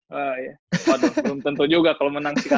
waduh belum tentu juga kalau menang sih